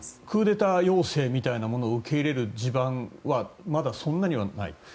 クーデター要請みたいなものを受け入れる地盤はまだそんなにはない？